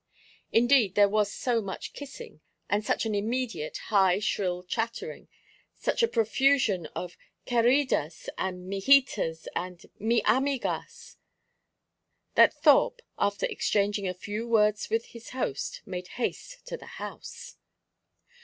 Indeed, there was so much kissing, and such an immediate high shrill chattering, such a profusion of "queridas," and "mijitas," and "mi amigas," that Thorpe, after exchanging a few words with his host, made haste to the house.